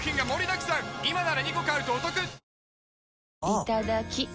いただきっ！